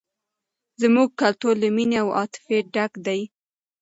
زموږ کلتور له مینې او عاطفې ډک دی.